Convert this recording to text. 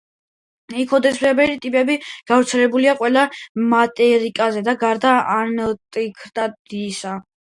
იქსოდისებრი ტკიპები გავრცელებულია ყველა მატერიკზე, გარდა ანტარქტიდისა.